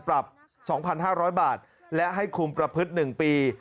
ปรับ๒๕๐๐บาทและให้คุมประพฤติ๑ปี